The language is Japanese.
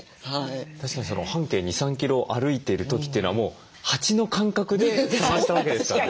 確かに半径２３キロを歩いている時というのはもう蜂の感覚で探したわけですからね。